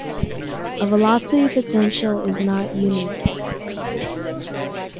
A velocity potential is not unique.